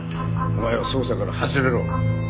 お前は捜査から外れろ。